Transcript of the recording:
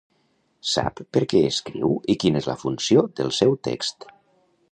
Sap per què escriu i quina és la funció del seu text.